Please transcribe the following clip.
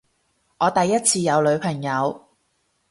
我第一次有女朋友